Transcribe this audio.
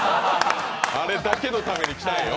あれだけのために来たのよ